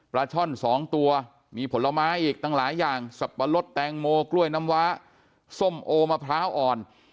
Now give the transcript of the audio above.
ช่อน๒ตัวมีผลไม้อีกตั้งหลายอย่างสับปะรดแตงโมกล้วยน้ำว้าส้มโอมะพร้าวอ่อน